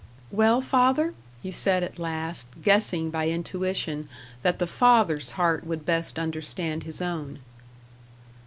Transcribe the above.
"Well, father," he said at last, guessing by intuition that the father's heart would best understand his own.